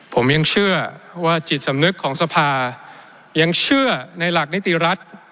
ผมยังเชื่อว่าจิตสำนึกของสภายังเชื่อในหลักนิติรัฐ